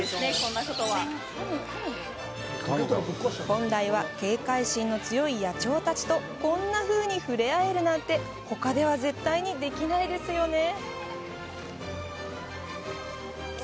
本来は警戒心の強い野鳥たちとこんなふうに触れ合えるなんてほかでは絶対にできないですよね。